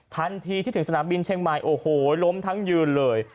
ทันทีที่ถึงสนามบินเชียงใหม่โอ้โหล้มทั้งยืนเลย